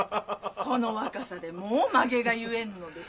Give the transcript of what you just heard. この若さでもう髷が結えぬのです。